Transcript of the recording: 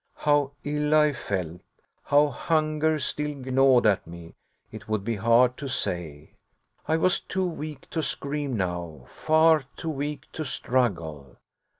How ill I felt, how hunger still gnawed at me, it would be hard to say. I was too weak to scream now, far too weak to struggle.